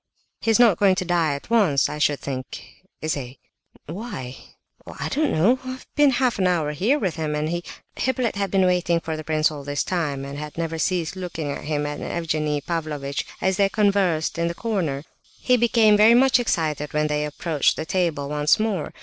"He's not going to die at once, I should think, is he?" "Why?" "Oh, I don't know. I've been half an hour here with him, and he—" Hippolyte had been waiting for the prince all this time, and had never ceased looking at him and Evgenie Pavlovitch as they conversed in the corner. He became much excited when they approached the table once more.